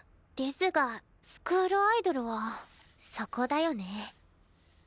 ですがスクールアイドルは。そこだよね。